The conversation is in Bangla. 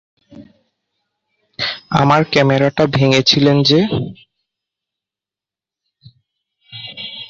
আমার ক্যামেরাটা ভেঙেছিলেন যে!